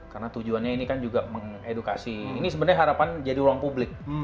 karena tujuannya ini kan juga mengedukasi ini sebenarnya harapan jadi ruang publik